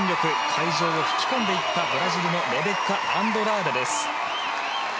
会場を引き込んでいったブラジルのレベッカ・アンドラーデです。